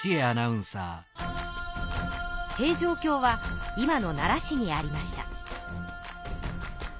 平城京は今の奈良市にありました。